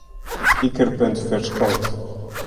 It ikerpunt ferskoot.